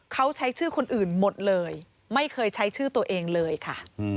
เขาใช้ชื่อคนอื่นหมดเลยไม่เคยใช้ชื่อตัวเองเลยค่ะ